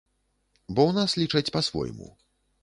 Бо ў нас лічаць па-свойму.